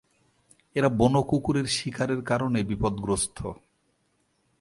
এরা বুনো কুকুরের শিকারের কারণে বিপদগ্রস্ত।